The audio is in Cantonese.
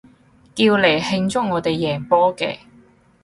叫嚟慶祝我哋贏波嘅